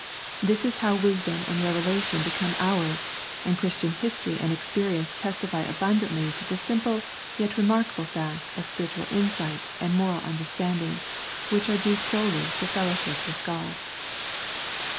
This is how wisdom and revelation become ours, and Christian history and experience testify abundantly to the simple yet remarkable fact of spiritual insight and moral understanding which are due solely to fellowship with God.